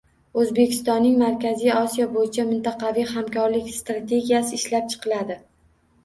O‘zbekistonning Markaziy Osiyo bo‘yicha mintaqaviy hamkorlik strategiyasi ishlab chiqiladi.